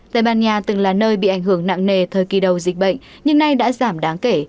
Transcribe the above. tây ban nha từng là nơi bị ảnh hưởng nặng nề thời kỳ đầu dịch bệnh nhưng nay đã giảm đáng kể